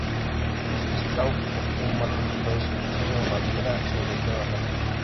Strauß obtuvo malos resultados incluso en Baviera, su región natal.